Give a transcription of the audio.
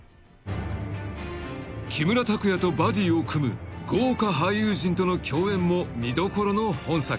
［木村拓哉とバディを組む豪華俳優陣との共演も見どころの本作］